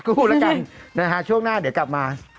กูกูเรียกก่อนนะฮะช่วงหน้าเดี๋ยวกลับมา